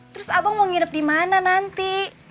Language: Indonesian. terus abang mau ngirep dimana nanti